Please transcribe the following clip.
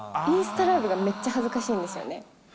インスタライブがめっちゃ恥ずかしいんですよね。